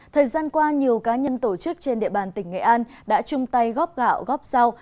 thời gian qua nhiều cá nhân tổ chức trên địa bàn tỉnh nghệ an đã chung tay góp gạo góp rau